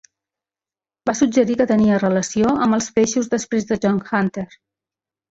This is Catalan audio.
Va suggerir que tenia relació amb els peixos després de John Hunter.